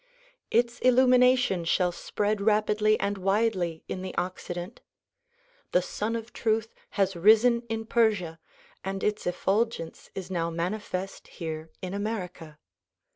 Its illumination shall spread rapidly and widely in the Occident. The Sun of Truth has risen in Persia and its effulgence is now manifest here in America.